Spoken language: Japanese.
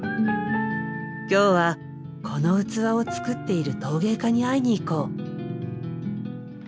今日はこの器を作っている陶芸家に会いに行こう。